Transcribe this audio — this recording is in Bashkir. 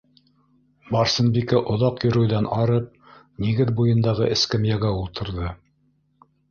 Барсынбикә, оҙаҡ йөрөүҙән арып, нигеҙ буйындағы эскәмйәгә ултырҙы.